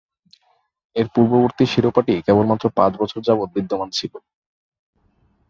এর পূর্ববর্তী শিরোপাটি কেবলমাত্র পাঁচ বছর যাবত বিদ্যমান ছিল।